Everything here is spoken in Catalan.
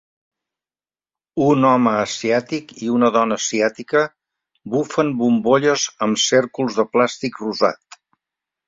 Un home asiàtic i una dona asiàtica bufen bombolles amb cèrcols de plàstic rosat.